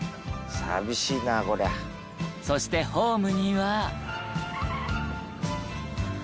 「寂しいなこりゃ」そしてホームには。